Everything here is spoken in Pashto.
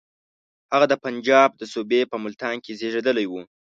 هغه د پنجاب د صوبې په ملتان کې زېږېدلی وو.